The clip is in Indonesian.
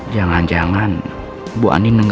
jangan jangan bu andien nunggu